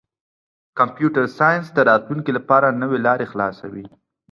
کمپیوټر ساینس د راتلونکي لپاره نوې لارې خلاصوي.